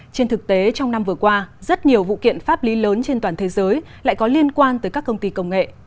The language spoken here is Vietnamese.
trên thực tế trong năm vừa qua rất nhiều vụ kiện pháp lý lớn trên toàn thế giới lại có liên quan tới các công ty công nghệ